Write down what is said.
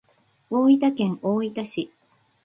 大分県大分市